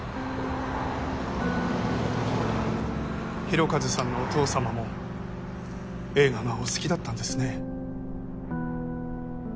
浩一さんのお父さまも映画がお好きだったんですね。